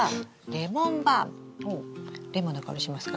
レモンの香りしますか？